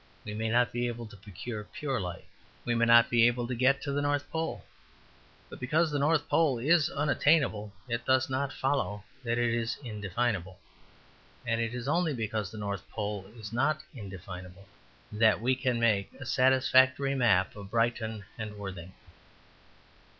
We may not be able to procure pure light. We may not be able to get to the North Pole. But because the North Pole is unattainable, it does not follow that it is indefinable. And it is only because the North Pole is not indefinable that we can make a satisfactory map of Brighton and Worthing.